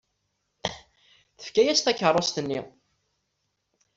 Tefka-as takeṛṛust-nni.